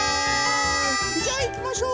じゃあいきましょう。